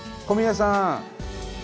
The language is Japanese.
小宮さん。